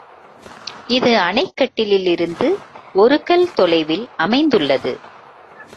இது அணைக் கட்டிலிருந்து ஒருகல் தொலைவில் அமைந்துள்ளது.